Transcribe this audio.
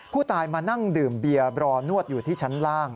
ผู้ตายมานั่งดื่มเบียร์รอนวดอยู่ที่ชั้นล่าง